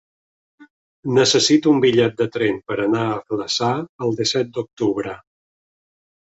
Necessito un bitllet de tren per anar a Flaçà el disset d'octubre.